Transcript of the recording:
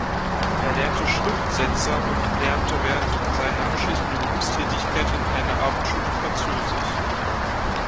Er lernte Schriftsetzer und lernte während seiner anschließenden Berufstätigkeit in einer Abendschule Französisch.